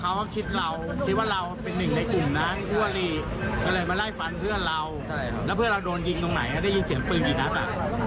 เขาคิดเราพี่ว่าเราเป็นหนึ่งในกลุ่มนั้นกุ้นดีเลยก็ได้ฟังเพื่อนเราแล้วเพื่อนเราโดนกินตรงไหนได้ยินเสียงปืน